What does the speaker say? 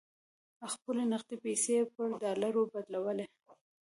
خپلې نغدې پیسې یې پر ډالرو بدلولې.